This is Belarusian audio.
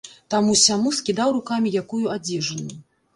Таму-сяму скідаў рукамі якую адзежыну.